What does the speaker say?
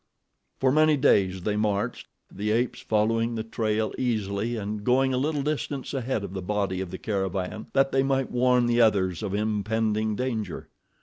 For many days they marched, the apes following the trail easily and going a little distance ahead of the body of the caravan that they might warn the others of impending danger.